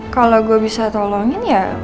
kalau gue bisa tolongin ya